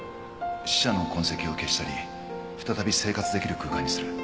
死者の痕跡を消し去り再び生活できる空間にする。